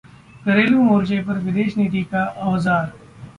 घरेलू मोर्चे पर विदेश नीति का औजार